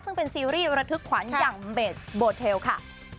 ซึ่งเป็นซีรีส์ระทึกขวัญอย่างเบสโบเทลค่ะ